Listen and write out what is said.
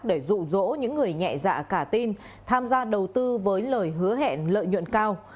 để rụ rỗ những người nhẹ dạ cả tin tham gia đầu tư với lời hứa hẹn lợi nhuận cao